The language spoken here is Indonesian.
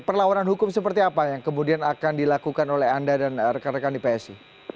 perlawanan hukum seperti apa yang kemudian akan dilakukan oleh anda dan rekan rekan di psi